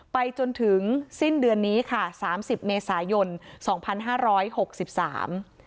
ไปจนถึงสิ้นเดือนนี้ค่ะสามสิบเมษายนสองพันห้าร้อยหกสิบสาม